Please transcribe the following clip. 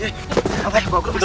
udah bawa gerob sakit